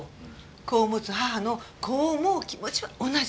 子を持つ母の子を思う気持ちは同じ。